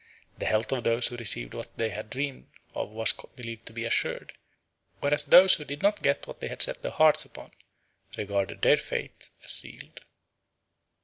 The health of those who received what they had dreamed of was believed to be assured; whereas those who did not get what they had set their hearts upon regarded their fate as sealed.